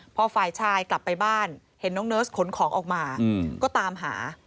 พอฝ่ายชายกลับไปบ้านเห็นน้องเนิร์สขนของออกมาก็ตามหา